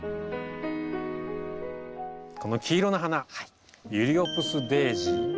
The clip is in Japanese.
この黄色の花ユリオプスデージー。